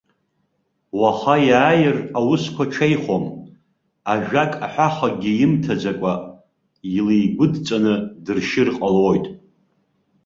Уаха иааир, аусқәа ҽеихом, ажәак аҳәахагьы имҭаӡакәа, илеигәыдҵаны дыршьыр ҟалоит.